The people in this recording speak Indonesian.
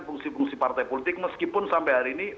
fungsi fungsi partai politik meskipun sampai hari ini